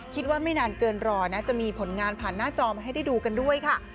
ไม่นานเกินรอนะจะมีผลงานผ่านหน้าจอมาให้ได้ดูกันด้วยค่ะ